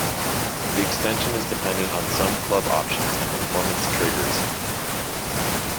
The extension is dependent on some club options and performance triggers.